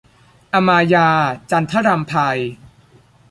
อมาญาส์ - จันทรำไพ